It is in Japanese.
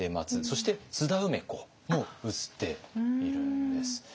そして津田梅子も写っているんです。